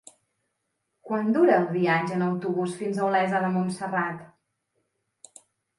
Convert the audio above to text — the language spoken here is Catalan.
Quant dura el viatge en autobús fins a Olesa de Montserrat?